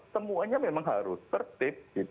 semuanya memang harus tertib